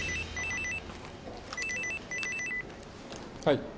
はい。